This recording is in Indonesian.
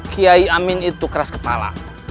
kiai amin itu keras kepala